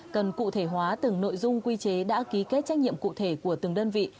cần cụ thể hóa từng nội dung quy chế đã ký kết trách nhiệm cụ thể của từng đơn vị